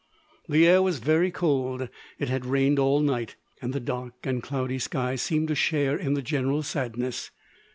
The air was very cold: it had rained all night, and the dark and cloudy sky seemed to share in the general sadness.